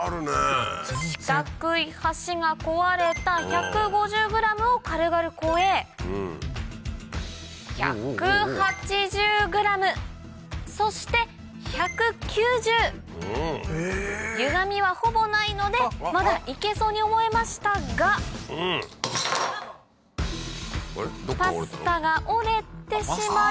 四角い橋が壊れた１５０ｇを軽々超え１８０ｇそして１９０ゆがみはほぼないのでまだ行けそうに思えましたがパスタが折れてしまい